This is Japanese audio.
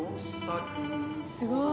すごい。